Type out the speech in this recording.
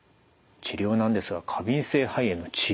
治療なんですが過敏性肺炎の治療